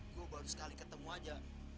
gue baru sekali ketemu aja